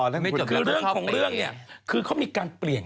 ในเรื่องของเรื่องเนี่ย